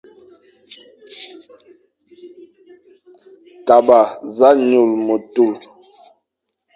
Kaba za nyum metul,